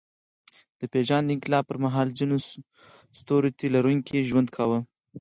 د پېژاند انقلاب پر مهال ځینو سترو تيلرونکي ژوند کاوه.